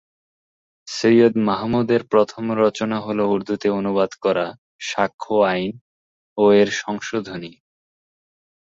সৈয়দ মাহমুদের প্রথম রচনা হল উর্দুতে অনুবাদ করা সাক্ষ্য আইন ও এর সংশোধনী।